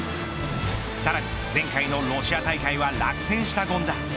さらに前回のロシア大会は落選した権田。